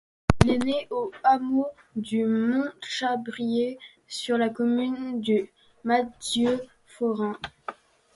Il est né au hameau du Montchabrier, sur la commune du Malzieu-Forain.